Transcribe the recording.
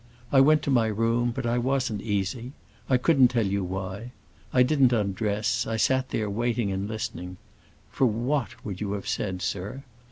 I went to my room, but I wasn't easy; I couldn't tell you why. I didn't undress; I sat there waiting and listening. For what, would you have said, sir?